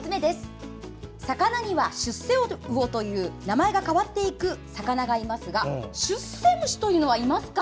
魚には出世魚という名前が変わっていく魚がいますが出世虫というものはいますか？